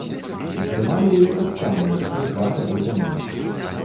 Атрымалі яе таксама яшчэ два гады таму.